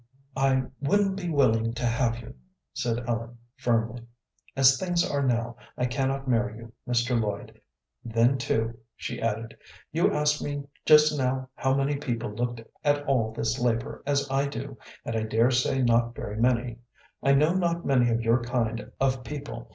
"I wouldn't be willing to have you," said Ellen, firmly. "As things are now I cannot marry you, Mr. Lloyd. Then, too," she added, "you asked me just now how many people looked at all this labor as I do, and I dare say not very many. I know not many of your kind of people.